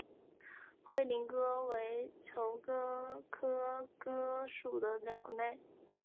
灰林鸽为鸠鸽科鸽属的鸟类。